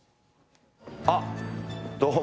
あっ、どうも。